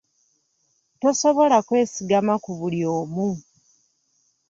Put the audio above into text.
Tosobola kwesigama ku buli omu.